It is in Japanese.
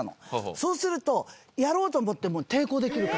そうするとやろうと思っても抵抗できるから。